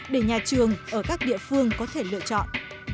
để nhà trường ở các địa phương có thể lựa chọn